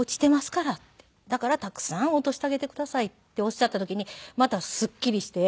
「だからたくさん落としてあげてください」っておっしゃった時にまたすっきりして。